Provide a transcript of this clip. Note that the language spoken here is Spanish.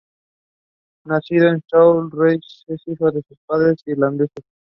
Nacido en Slough, Berkshire, es hijo de padres irlandeses.